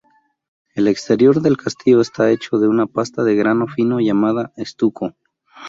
El exterior del castillo está hecho de una pasta de grano fino llamada estuco.